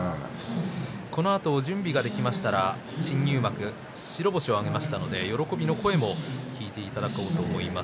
このあと準備ができましたら新入幕白星を挙げたので喜びの声もお届けしたいと思います。